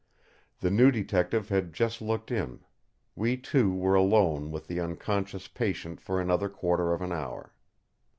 The new detective had just looked in; we two were alone with the unconscious patient for another quarter of an hour.